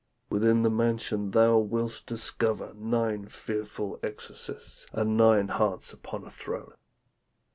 Within the mansion thou wilt discover nine fearful exorcists, and nine hearts upon a throne.